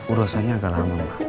urusannya agak lama ma